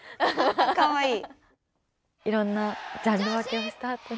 かわいい。